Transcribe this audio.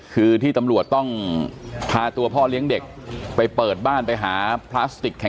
คือที่ตำรวจต้องพาตัวพ่อเลี้ยงเด็กไปเปิดบ้านไปหาพลาสติก